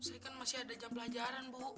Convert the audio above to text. saya kan masih ada pelajaran bu